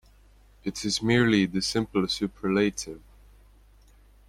It is merely the simple superlative.